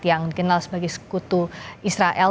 yang dikenal sebagai sekutu israel